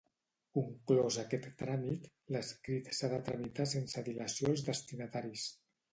Conclòs aquest tràmit, l'escrit s'ha de tramitar sense dilació als destinataris.